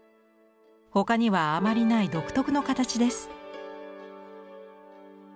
他にはあまりない独特の形です。